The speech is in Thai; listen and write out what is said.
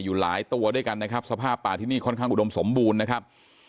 อยู่หลายตัวด้วยกันนะครับสภาพป่าที่นี่ค่อนข้างอุดมสมบูรณ์นะครับ